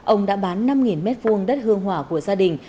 ông đã bán năm m hai đất hương hỏa của gia đình